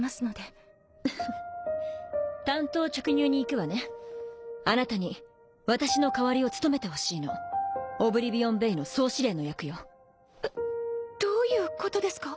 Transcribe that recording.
フフ単刀直入にいくあなたに私の代わりを務めてほしいオブリビオンベイの総司令の役よえっどういうことですか？